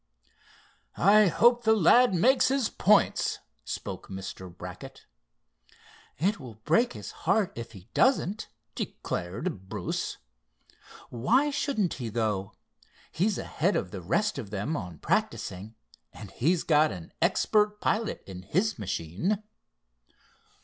"I hope the lad makes his points," spoke Mr. Brackett. "It will break his heart if he doesn't," declared Bruce. "Why shouldn't he, though? He's ahead of the rest of them on practicing, and he's got an expert pilot in his machine."